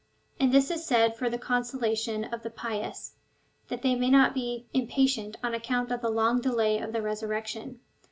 And this is said for the consolation of the pious, that they may not be impatient on account of the long delay of the resurrection.